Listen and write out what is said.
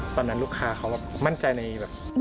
ตอนนั้นลูกค้าเขาแบบมั่นใจในแบบ